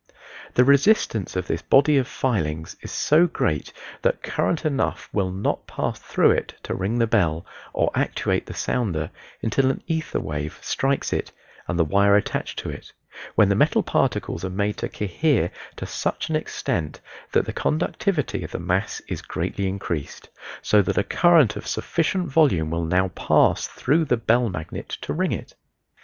The resistance of this body of filings is so great that current enough will not pass through it to ring the bell or actuate the sounder until an ether wave strikes it and the wire attached to it, when the metal particles are made to cohere to such an extent that the conductivity of the mass is greatly increased; so that a current of sufficient volume will now pass through the bell magnet to ring it.